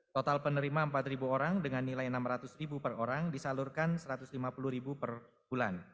total penerima empat orang dengan nilai rp enam ratus per orang disalurkan rp satu ratus lima puluh per bulan